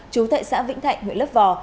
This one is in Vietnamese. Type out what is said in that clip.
chú thệ xã vĩnh thạnh huyện lấp vò